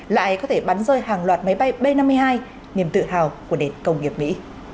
lại có thể bắn rơi hàng loạt máy bay b năm mươi hai niềm tự hào của nền công nghiệp mỹ